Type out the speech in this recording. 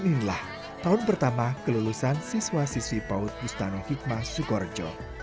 dan inilah tahun pertama kelulusan siswa siswi paud bustanung hikmah soekarjo